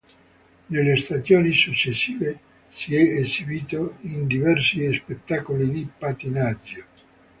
Nelle stagioni successive si è esibito in diversi spettacoli di pattinaggio.